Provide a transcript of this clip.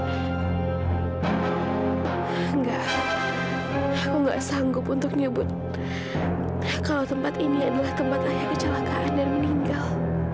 enggak aku enggak sanggup untuk nyebut kalau tempat ini adalah tempat ayah kecelakaan dan meninggal